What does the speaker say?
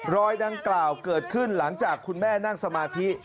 รอยดังกล่าวเกิดขึ้นหลังจากคุณแม่นั่งสมาธิ